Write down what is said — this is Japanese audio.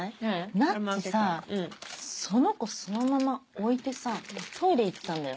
なっちさその子そのまま置いてさトイレ行ったんだよ。